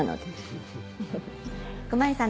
熊井さん